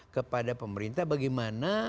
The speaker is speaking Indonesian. kepada pemerintah bagaimana